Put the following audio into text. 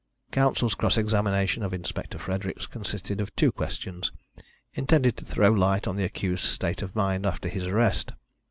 Counsel's cross examination of Inspector Fredericks consisted of two questions, intended to throw light on the accused's state of mind after his arrest.